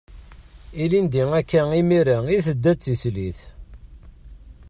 Ilindi akka imira i d-tedda d tislit.